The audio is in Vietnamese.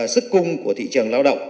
sức cung của thị trường lao động